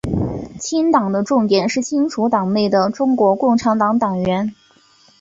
清党的重点是清除党内的中国共产党党员。